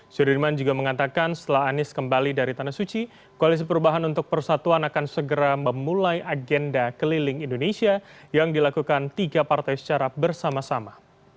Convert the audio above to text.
sudirman juga mengatakan setelah anies kembali dari tanah suci koalisi perubahan untuk persatuan akan segera memulai agenda keliling indonesia yang dilakukan tiga partai secara bersama sama